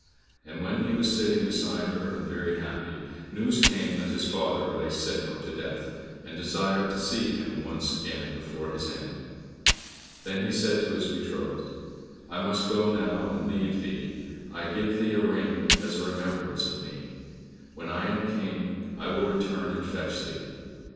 And when he was sitting beside her and very happy, news came that his father lay sick unto death, and desired to see him once again before his end. Then he said to his beloved, "I must now go and leave thee, I give thee a ring as a remembrance of me. When I am King, I will return and fetch thee."